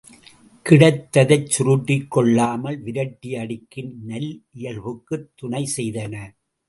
கிடைத்ததைச் சுருட்டிக் கொள்ளாமல் விரட்டி அடிக்கும் நல்லியல்புக்குத் துணை செய்தன.